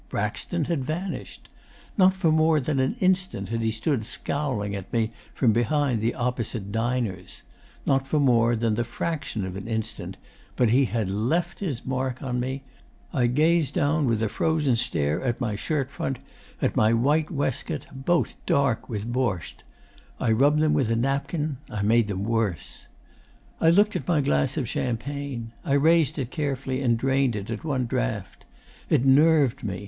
Braxton had vanished. Not for more than an instant had he stood scowling at me from behind the opposite diners. Not for more than the fraction of an instant. But he had left his mark on me. I gazed down with a frozen stare at my shirtfront, at my white waistcoat, both dark with Bortsch. I rubbed them with a napkin. I made them worse. 'I looked at my glass of champagne. I raised it carefully and drained it at one draught. It nerved me.